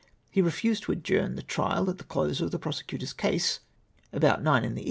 He refused to adjourn the trial at the close of the prosecutor's case, about nine in the * This is an error.